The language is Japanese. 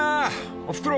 おふくろ